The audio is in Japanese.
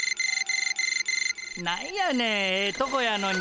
何やねんええとこやのに。